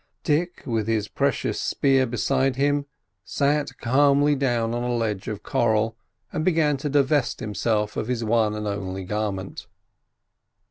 Dick, with his precious spear beside him, sat calmly down on a ledge of coral, and began to divest himself of his one and only garment.